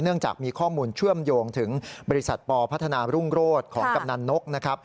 จากมีข้อมูลเชื่อมโยงถึงบริษัทปพัฒนารุ่งโรศของกำนันนกนะครับ